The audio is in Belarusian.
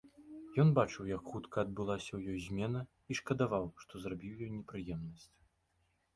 Ён бачыў, як хутка адбылася ў ёй змена, і шкадаваў, што зрабіў ёй непрыемнасць.